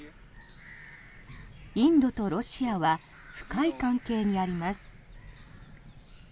インドとロシアは深い関係にあります。